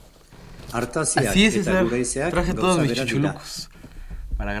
Artaziak eta guraizeak gauza bera dira.